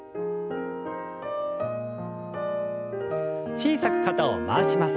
小さく肩を回します。